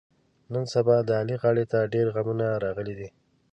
نن سبا د علي غاړې ته ډېرغمونه راغلي دي.